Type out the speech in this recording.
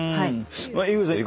井口さん